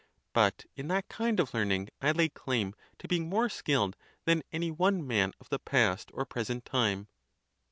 But in that kind of learn ing I lay claim' to being more skilled than any one man of the past or present time.